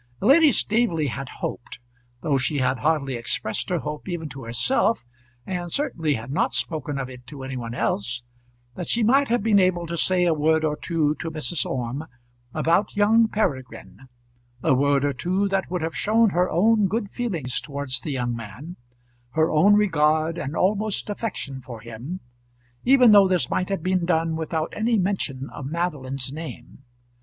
Lady Staveley had hoped, though she had hardly expressed her hope even to herself, and certainly had not spoken of it to any one else, that she might have been able to say a word or two to Mrs. Orme about young Peregrine, a word or two that would have shown her own good feeling towards the young man, her own regard, and almost affection for him, even though this might have been done without any mention of Madeline's name.